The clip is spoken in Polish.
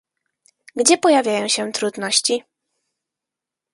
Gdzie pojawiają się trudności?